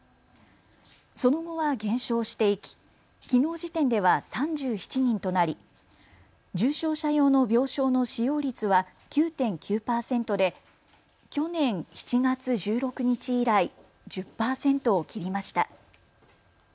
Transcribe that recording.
その後は減少していききのう時点では３７人となり重症者用の病床の使用率は９．９％で去年７月１６日以来１０％を切りました。